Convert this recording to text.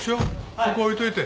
そこ置いといて。